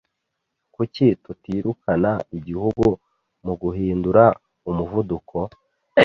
Kuki tutirukana igihugu muguhindura umuvuduko?